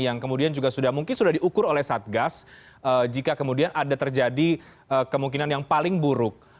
yang kemudian juga mungkin sudah diukur oleh satgas jika kemudian ada terjadi kemungkinan yang paling buruk